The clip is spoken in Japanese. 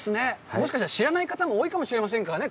もしかしたら、知らない方も多いかもしれませんからね。